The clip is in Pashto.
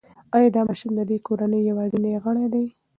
ایا دا ماشوم د دې کورنۍ یوازینی غړی دی؟